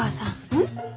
うん？